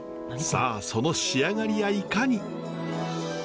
さあその仕上がりやいかに。